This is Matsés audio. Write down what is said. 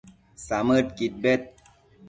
samëdquid bed